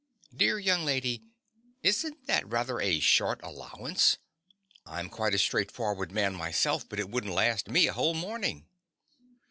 Dear young lady: isn't that rather a short allowance? I'm quite a straightforward man myself; but it wouldn't last me a whole morning.